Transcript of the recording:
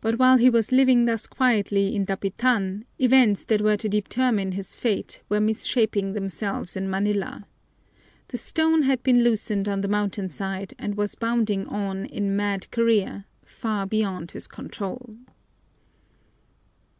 But while he was living thus quietly in Dapitan, events that were to determine his fate were misshaping themselves in Manila. The stone had been loosened on the mountain side and was bounding on in mad career, far beyond his control.